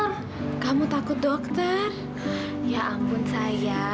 enggak sama ibu aja ya